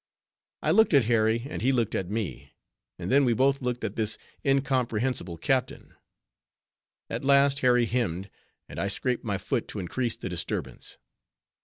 I looked at Harry, and he looked at me; and then we both looked at this incomprehensible captain. At last Harry hemmed, and I scraped my foot to increase the disturbance.